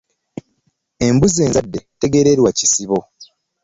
Embuzi enzadde tegererwa kisibo .